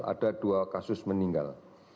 ada dua kasus meninggal